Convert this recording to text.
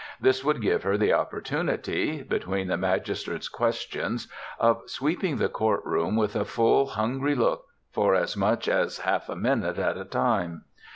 This would give her the opportunity, between the magistrate's questions, of sweeping the courtroom with a full, hungry look for as much as half a minute at a time.